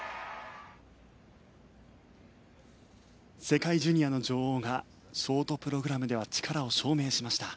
世界ジュニアの女王がショートプログラムでは力を証明しました。